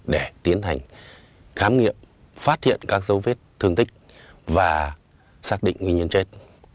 để tiến hành khám nghiệm phát hiện các dấu vết thương tích và xác định nguyên nhân chết